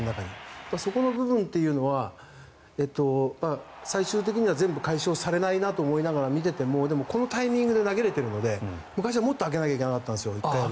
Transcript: そこの部分というのは最終的には全部解消されないなと思いながら見ていてもこのタイミングで投げれてるので昔はもっと空けないといけなかったんですよ。